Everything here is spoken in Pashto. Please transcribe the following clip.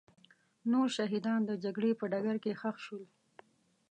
نور شهیدان د جګړې په ډګر کې ښخ شول.